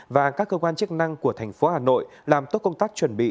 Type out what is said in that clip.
và các cơ quan chức năng của thành phố hà nội làm tốt công tác chuẩn bị